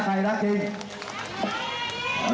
ลับใครลับจริง